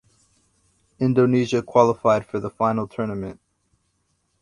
Indonesia qualified for the final tournament.